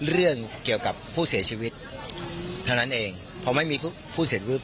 เรื่องเกี่ยวกับผู้เสียชีวิตเท่านั้นเองพอไม่มีผู้เสียชีวิต